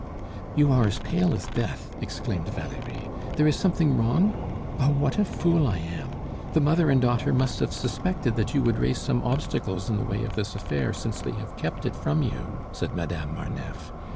"You are as pale as death!" exclaimed Valerie. "There is something wrong? Oh, what a fool I am! The mother and daughter must have suspected that you would raise some obstacles in the way of this affair since they have kept it from you," said Madame Marneffe.